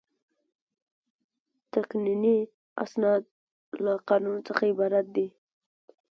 تقنیني اسناد له قانون څخه عبارت دي.